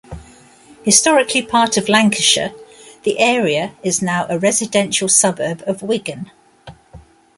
Historically part of Lancashire, the area is now a residential suburb of Wigan.